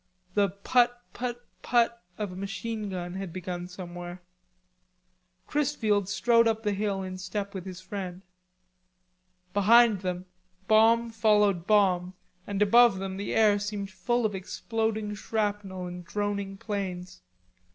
The "put, put, put" of a machine gun had begun somewhere. Chrisfield strode up the hill in step with his friend. Behind them bomb followed bomb, and above them the air seemed full of exploding shrapnel and droning planes.